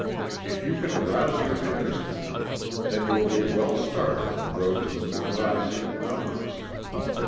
If you can arouse your interest in them, then you will be well started on the road to the memorizing of numbers.